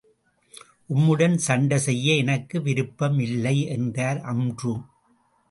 உம்முடன் சண்டை செய்ய எனக்கு விருப்பம் இல்லை என்றார் அம்ரு.